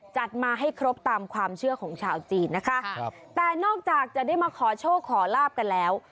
จัดมาให้ครบตามความเชื่อของชาวจีนนะคะครับแต่นอกจากจะได้มาขอโชคขอลาบกันแล้ว